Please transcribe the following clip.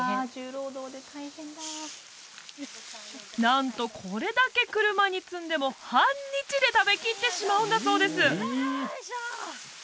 なんとこれだけ車に積んでも半日で食べきってしまうんだそうです